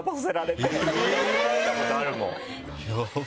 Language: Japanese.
怒られたことあるもん。